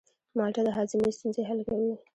مالټه د هاضمې ستونزې حل کوي.